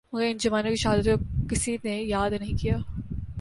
مگر ان جوانوں کی شہادت کو کسی نے یاد نہیں کیا